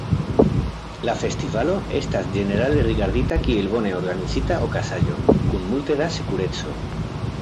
La festivalo estas ĝenerale rigardita kiel bone organizita okazaĵo, kun multe da sekureco.